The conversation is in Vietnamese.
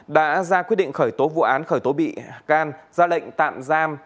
đã ra quyết định khởi tố vụ án khởi tố bị can ra lệnh tạm giam